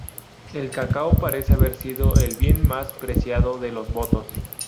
El cacao parece haber sido el bien más preciado de los botos.